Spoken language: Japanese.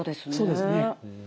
そうですね。